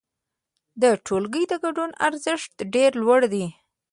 د ټولګي د ګډون ارزښت ډېر لوړ دی.